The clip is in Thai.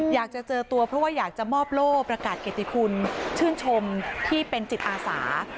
อยากจะเจอตัวเพราะว่าอยากจะมอบโล่ประกาศเกติคุณชื่นชมที่เป็นจิตอาสา